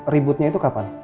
ributnya itu kapan